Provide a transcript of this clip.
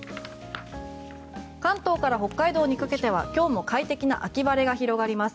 関東から北海道にかけては今日も快適な秋晴れが広がります。